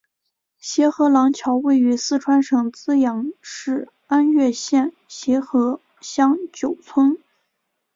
协和廊桥位于四川省资阳市安岳县协和乡九村。